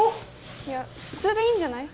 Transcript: いや普通でいいんじゃない？